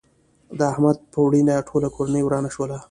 د احمد په مړینه ټوله کورنۍ ورانه شوله.